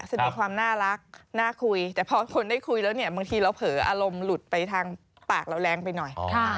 แสดงความน่ารักน่าคุยแต่พอคนได้คุยแล้วเนี่ยบางทีเราเผลออารมณ์หลุดไปทางปากเราแรงไปหน่อย